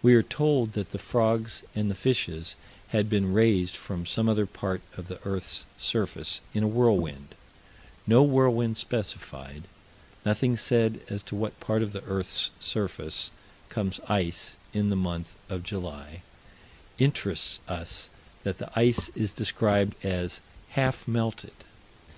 We are told that the frogs and the fishes had been raised from some other part of the earth's surface, in a whirlwind; no whirlwind specified; nothing said as to what part of the earth's surface comes ice, in the month of July interests us that the ice is described as "half melted."